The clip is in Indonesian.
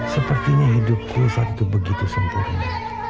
sepertinya hidupku saat itu begitu sempurna